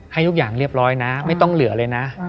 ให้ทุกอย่างเรียบร้อยนะไม่ต้องเหลือเลยนะ